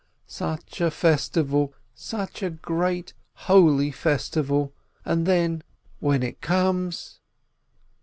"Such a festival, such a great, holy festival, and then when it comes.